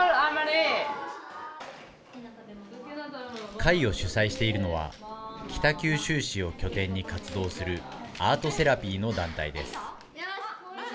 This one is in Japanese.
会を主催しているのは、北九州市を拠点に活動するアートセラピーの団体です。